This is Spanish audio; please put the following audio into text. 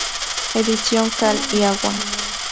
Ediciones Cal y Agua.